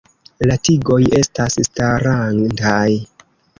La tigoj estas starantaj.